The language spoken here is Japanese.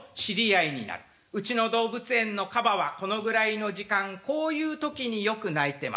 「うちの動物園のカバはこのぐらいの時間こういう時によく鳴いてます」。